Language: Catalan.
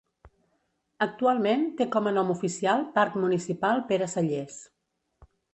Actualment té com a nom oficial Parc Municipal Pere Sallés.